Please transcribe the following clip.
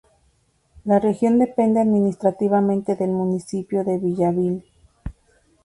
La región depende administrativamente del municipio de Villa Vil.